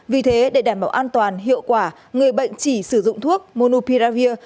vì thế để đảm bảo an toàn hiệu quả người bệnh chỉ sử dụng thuốc monupiravir